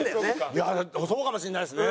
いやそうかもしれないですね。